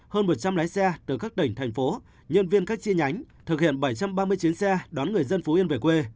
hơn một trăm linh lái xe từ các tỉnh thành phố nhân viên các chi nhánh thực hiện bảy trăm ba mươi chuyến xe đón người dân phú yên về quê